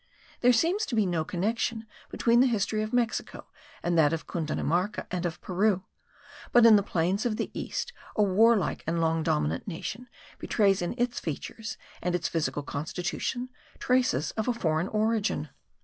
There seems to be no connection between the history of Mexico and that of Cundinamarca and of Peru; but in the plains of the east a warlike and long dominant nation betrays in its features and its physical constitution traces of a foreign origin.